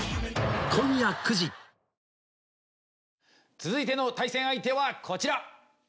続いての対戦相手は、こちら。